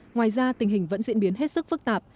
ngoài ra tình hình vẫn diễn biến hết sức phức tạp